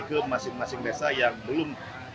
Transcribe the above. ke masing masing desa yang belum